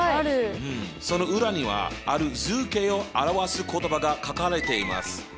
その裏にはある図形を表す言葉が書かれています。